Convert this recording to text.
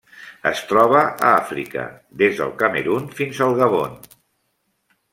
Es troba a Àfrica: des del Camerun fins al Gabon.